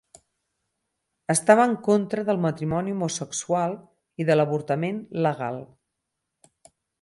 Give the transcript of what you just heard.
Estava en contra del matrimoni homosexual i de l'avortament legal.